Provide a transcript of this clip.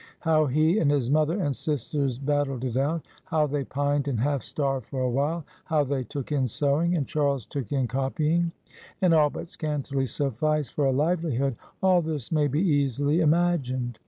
How he and his mother and sisters battled it out; how they pined and half starved for a while; how they took in sewing; and Charles took in copying; and all but scantily sufficed for a livelihood; all this may be easily imagined.